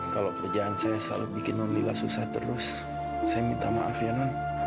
kalau kerjaan saya selalu bikin nondila susah terus saya minta maaf ya